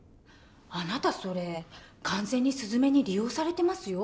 あなたそれ完全にすずめに利用されてますよ。